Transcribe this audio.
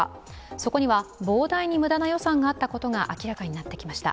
そこには膨大に無駄な予算があったことが明らかになってきました。